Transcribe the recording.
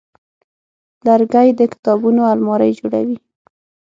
لرګی د کتابونو المارۍ جوړوي.